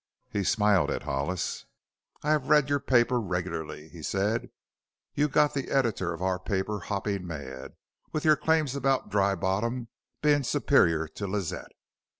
He smiled at Hollis. "I have read your paper regularly," he said. "You've got the editor of our paper hopping mad with your claims about Dry Bottom being superior to Lazette.